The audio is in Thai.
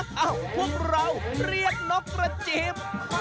พวกเราเรียกนอกกระเทียม